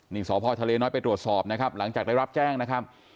นี่สพทะเลน้อยไปตรวจสอบนะครับหลังจากได้รับแจ้งนะครับ